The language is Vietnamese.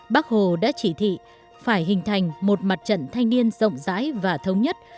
bác hồ đã chỉ thị phải hình thành một mặt trận thanh niên rộng rãi và thống nhất